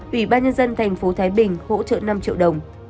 ủy ban nhân dân thành phố thái bình hỗ trợ năm triệu đồng